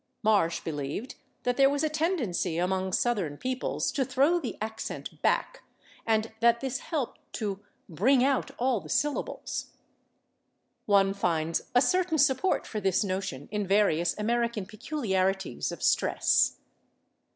Marsh believed that there was a tendency among Southern peoples to throw the accent back, and that this helped to "bring out all the syllables." One finds a certain support for this notion in various American peculiarities of stress.